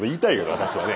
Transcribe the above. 私はね。